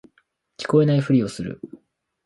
聞こえないふりをする